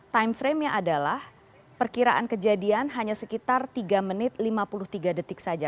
time frame nya adalah perkiraan kejadian hanya sekitar tiga menit lima puluh tiga detik saja